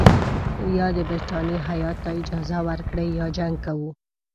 یا د برټانیې هیات ته اجازه ورکړئ یا جنګ کوو.